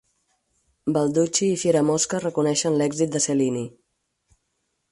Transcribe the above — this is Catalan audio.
Balducci i Fieramosca reconeixen l'èxit de Cellini.